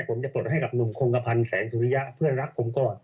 ผมจะปลดให้กับหนุ่มคงกระพันธ์แสงสุริยะเพื่อนรักผมก่อน